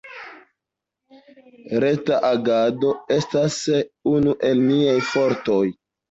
Reta agado estas unu el niaj fortoj.